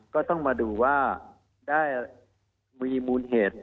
ก็ต้องมาดูว่าได้มีมูลเหตุ